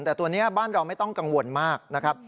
แต่ตัวนี้บ้านเราไม่ต้องกังวลมากนะครับ